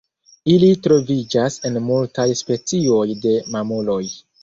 Ili troviĝas en multaj specioj de mamuloj.